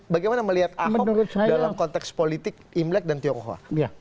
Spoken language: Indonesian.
bagaimana melihat ahok dalam konteks politik imlek dan tionghoa